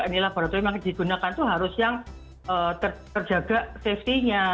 ini laboratorium yang digunakan itu harus yang terjaga safety nya